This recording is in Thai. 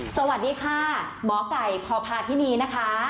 สวัสดีค่ะหมอไก่พพาธินีนะคะ